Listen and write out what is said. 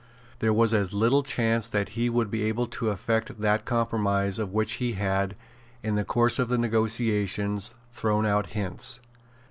There was as little chance that he would be able to effect that compromise of which he had, in the course of the negotiations, thrown out hints.